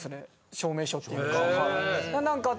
証明書っていうかはい。